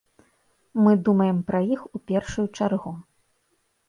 Мы думаем пра іх у першую чаргу.